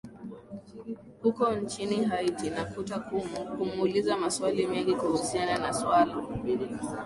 huko nchini haiti na kuta kumu kumuuliza maswali mengi kuhusiana na swala